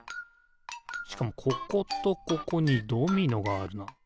しかもこことここにドミノがあるな。